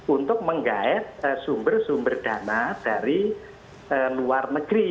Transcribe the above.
untuk menggait sumber sumber dana dari luar negeri